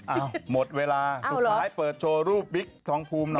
หมดเวลาสุดท้ายเปิดโชว์รูปบิ๊กทองภูมิหน่อย